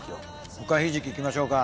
おかひじきいきましょうか。